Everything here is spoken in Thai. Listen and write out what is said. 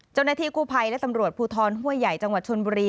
จุดนาทีครูภัยและตำรวจภูทรหัวใหญ่จังหวัดชนบุรี